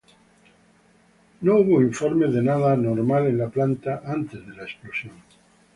No hubo informes de nada anormal en la planta antes de la explosión.